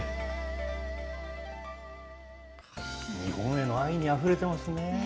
日本への愛にあふれてますね。